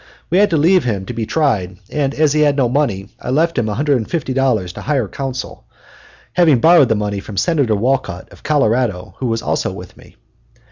We had to leave him to be tried, and as he had no money I left him $150 to hire counsel having borrowed the money from Senator Wolcott, of Colorado, who was also with me.